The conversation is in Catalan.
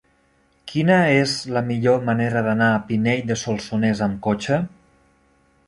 Quina és la millor manera d'anar a Pinell de Solsonès amb cotxe?